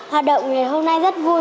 hoạt động hôm nay rất vui